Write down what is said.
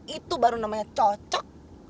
itu baru namanya cocok